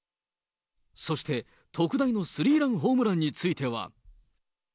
そして、特大のスリーランホームランについては。